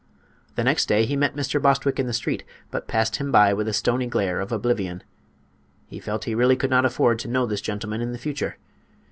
The next day he met Mr. Bostwick in the street, but passed him by with a stony glare of oblivion. He felt he really could not afford to know this gentleman in the future.